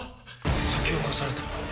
先を越された。